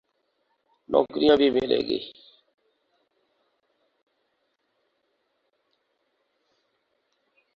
نوکریاں بھی ملیں گی۔